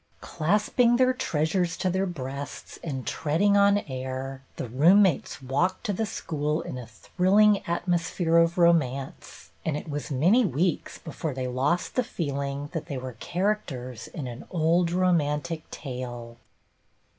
Clasping their treasures to their breasts and treading on air, the roommates walked to the school in a thrilling atmosphere of romance ; and it was many weeks before they lost the feeling that they were characters in an old romantic tale.